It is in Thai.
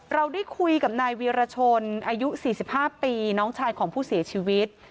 เราได้คุยกับนายวีรชนอายุ๔๕ปีน้องชายของผู้เสียชีวิต